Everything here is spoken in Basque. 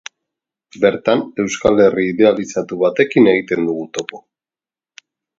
Bertan Euskal Herri idealizatu batekin egiten dugu topo.